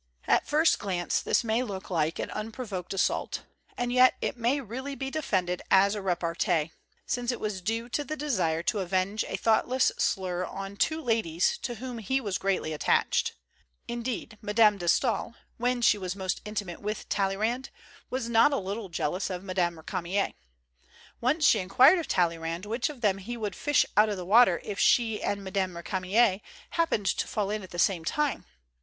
At first glance this may look like an unprovoked assault; and yet it may really be defended as a repartee, since it was due to the desire to avenge a thoughtless slur on two ladies to whom he was greatly attracted. Indeed, Mme. de Stael, when she was most in timate with Talleyrand, was not a little jealous of Mme. RirunuYr. Once she inquired of Tal leyrand which of them he would fish out of the water if she and Mme. ReeamiYr happened to fall in at the same time.